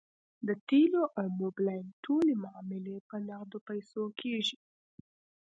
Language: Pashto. د تیلو او موبلاین ټولې معاملې په نغدو پیسو کیږي